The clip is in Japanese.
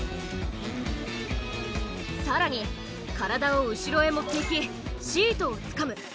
更に体を後ろへ持っていきシートをつかむ。